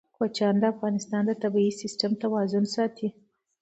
کوچیان د افغانستان د طبعي سیسټم توازن ساتي.